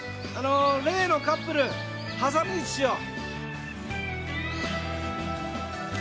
例のカップル挟み撃ちしよう。